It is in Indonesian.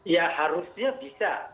ya harusnya bisa